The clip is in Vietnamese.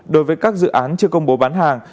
đối với các dự án chưa công bố bán hàng